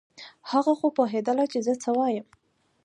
هغه خو پوهېدله چې زه څه وایم.